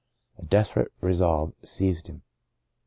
A desperate resolve seized him.